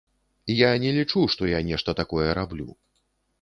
Я не лічу, што я нешта такое раблю.